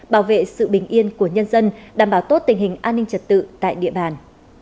bảo vệ sự bình yên của nhân dân đảm bảo tốt tình hình an ninh trật tự tại địa bàn